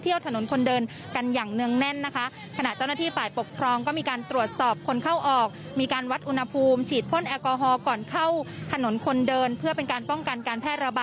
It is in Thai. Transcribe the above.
เสียงสนุกคือการบริการรบรวมจากแ้งหน้าคุณแขกจะได้ดับไปปรังกย่างนะครับ